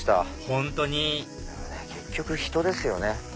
本当に結局人ですよね。